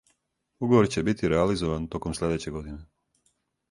Уговор ће бити реализован током следеће године.